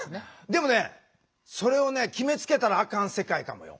でもねそれを決めつけたらあかん世界かもよ。